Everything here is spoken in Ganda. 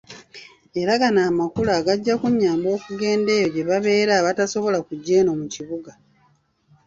Era gano Amakula gajja kunnyamba okugenda eyo gye babeera abatasobola kujja eno mu bibuga.